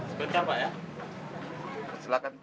sebentar pak ya